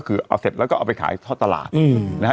คือเอาเสร็จแล้วก็เอาไปขายทอดตลาดนะฮะ